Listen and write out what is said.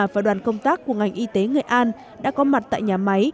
và đoàn công tác của ngành y tế nghệ an đã có mặt tại nhà máy